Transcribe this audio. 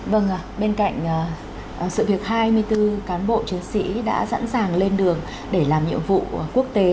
vâng bên cạnh sự việc hai mươi bốn cán bộ chiến sĩ đã sẵn sàng lên đường để làm nhiệm vụ quốc tế